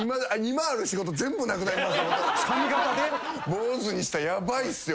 坊主にしたらヤバいっすよ。